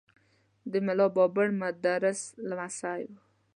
د ملا بابړ مدرس لمسی و.